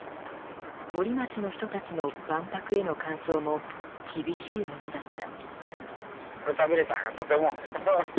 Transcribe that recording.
森町の人たちの万博への感想も厳しいものだった。